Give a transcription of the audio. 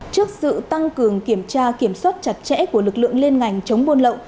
trước sự tăng cường kiểm tra kiểm soát chặt chẽ của lực lượng liên ngành chống buôn lậu